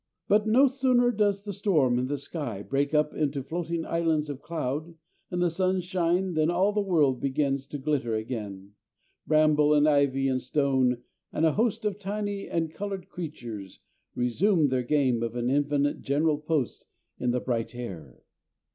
But no sooner does the storm in the sky break up into floating islands of cloud and the sun shine than all the world begins to glitter again, bramble and ivy and stone, and a host of tiny and coloured creatures resume their game of an infinite general post in the bright air.